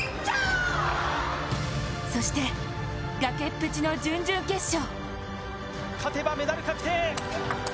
そして崖っぷちの準々決勝。